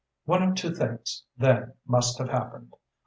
One of two things, then, must have happened.